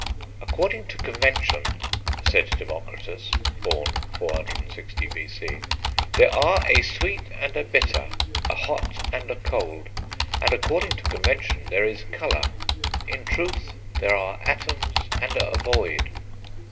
"According to convention," said Democritus (born 460 B.C.), "there are a sweet and a bitter, a hot and a cold, and according to convention there is colour. In truth there are atoms and a void."